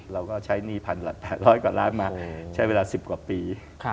เราก็ใช้หนี้พันหลักหลายร้อยกว่าล้านมาใช้เวลาสิบกว่าปี